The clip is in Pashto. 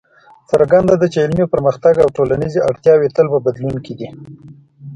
څرګنده ده چې علمي پرمختګ او ټولنیزې اړتیاوې تل په بدلون کې دي.